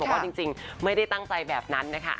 เพราะว่าจริงคงไม่ได้ตั้งใจแบบนั้นเลยค่ะ